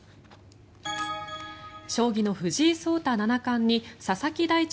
将棋の藤井聡太七冠に佐々木大地